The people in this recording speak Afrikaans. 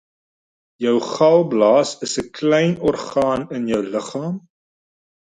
Jou galblaas is 'n klein orgaan in jou liggaam.